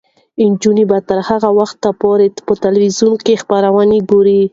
نجونې به تر هغه وخته پورې په تلویزیون کې خبرونه ګوري.